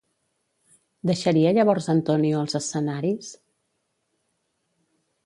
Deixaria llavors Antonio els escenaris?